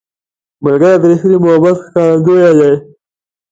ملګری د ریښتیني محبت ښکارندوی دی